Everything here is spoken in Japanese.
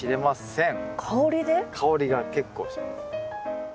香りが結構します。